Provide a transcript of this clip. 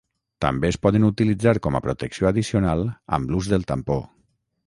També es poden utilitzar com a protecció addicional amb l'ús del tampó.